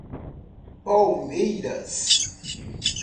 Palmeiras